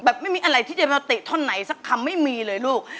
ไม่มีอะไรที่จะมาเตะท่อนไหนสักคำไม่มีเลยลูก